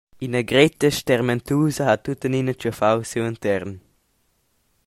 Ina gretta stermentusa ha tuttenina tschaffau siu intern.